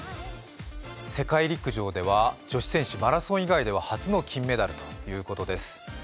世界陸上では女子選手、マラソン以外では初の金メダルということです。